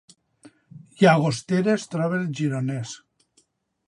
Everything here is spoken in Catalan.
Llagostera es troba al Gironès